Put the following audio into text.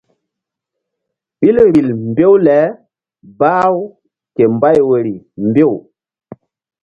Ɓil vbil mbew le bah-u ke mbay woyri mbew.